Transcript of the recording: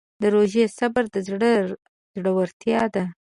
د روژې صبر د زړه زړورتیا ده.